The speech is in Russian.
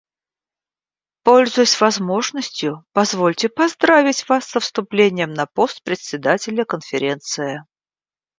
Пользуясь возможностью, позвольте поздравить Вас со вступлением на пост Председателя Конференции.